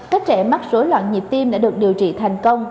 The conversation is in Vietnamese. các trẻ mắc rối loạn nhịp tim đã được điều trị thành công